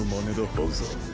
ハウザー。